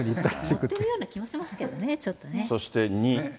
持ってるような気がしますけどね、ちょっとね。